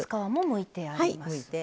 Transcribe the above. むいてあります。